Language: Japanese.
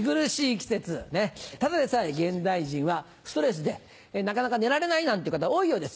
季節ただでさえ現代人はストレスでなかなか寝られないなんて方多いようです。